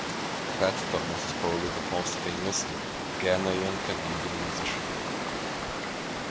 Pat Thomas is probably the most famous Ghanaian-Canadian musician.